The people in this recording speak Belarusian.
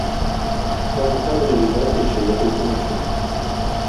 Там ў кадры відаць яшчэ некалькі машын.